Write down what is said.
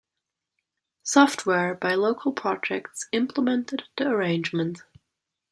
Software by Local Projects implemented the arrangement.